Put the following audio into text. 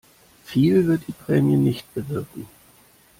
Viel wird die Prämie nicht bewirken.